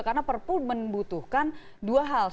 karena perpun membutuhkan dua hal